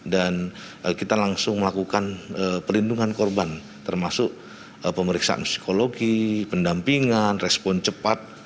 dan kita langsung melakukan perlindungan korban termasuk pemeriksaan psikologi pendampingan respon cepat